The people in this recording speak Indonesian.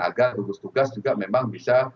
agar gugus tugas juga memang bisa